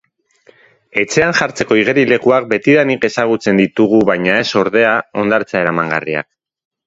Etxean jartzeko igerilekuak betidanik ezagutzen ditugu baina ez ordea, hondartza eramangarriak.